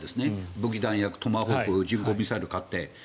武器弾薬、トマホーク巡航ミサイルを買って。